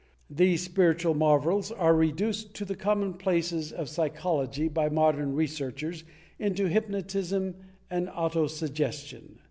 These spiritual marvels are reduced to the common places of psychology by modern researches into hypnotism and auto suggestion.